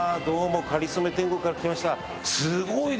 どうも『かりそめ天国』から来ました。